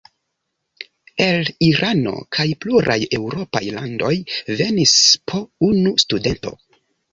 El Irano kaj pluraj eŭropaj landoj venis po unu studento.